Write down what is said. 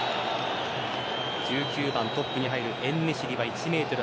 １９番、トップに入るエンネシリは１ｍ８８ｃｍ。